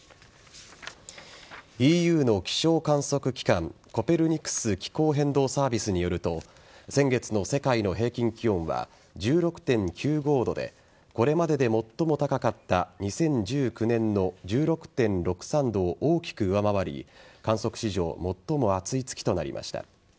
ＥＵの気象観測機関コペルニクス気候変動サービスによると先月の世界の平均気温は１６．９５度でこれまでで最も高かった２０１９年の１６．６３度を大きく上回り観測史上最も暑い月となりました。